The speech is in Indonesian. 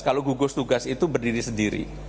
kalau gugus tugas itu berdiri sendiri